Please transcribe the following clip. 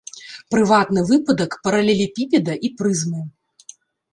Прыватны выпадак паралелепіпеда і прызмы.